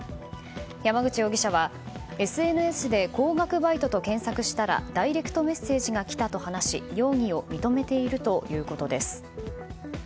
山口容疑者は、ＳＮＳで高額バイトと検索したらダイレクトメッセージが来たと話し容疑を認めているということです。